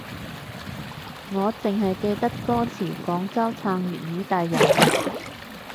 我淨係記得歌詞廣州撐粵語大遊行